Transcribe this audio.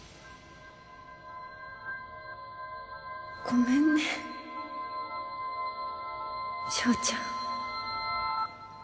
ごめんね祥ちゃん。